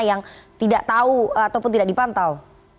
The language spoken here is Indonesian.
yang tidak tahu ataupun tidak dipantau